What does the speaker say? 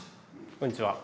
こんにちは。